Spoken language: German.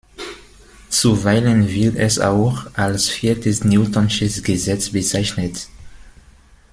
Zuweilen wird es auch als viertes newtonsches Gesetz bezeichnet.